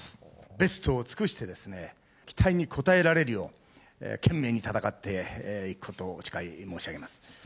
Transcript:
ベストを尽くしてですね、期待に応えられるよう、懸命に戦っていくことをお誓い申し上げます。